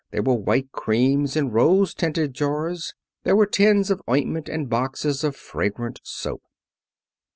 There were white creams in rose tinted jars. There were tins of ointment and boxes of fragrant soap.